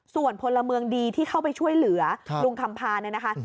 ส่วนพลเมืองดีที่เข้าไปช่วยเหลือลุงคำพาเนี่ยนะคะ